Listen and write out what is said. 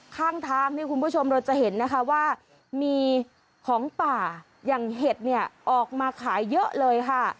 ข้างทางเนี่ยคุณผู้ชมเราจะเห็นนะคะว่ามีของป่าอย่างเห็ดเนี่ยออกมาขายเยอะเลยค่ะ